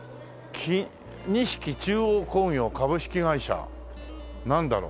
「錦中央工業株式会社」なんだろう？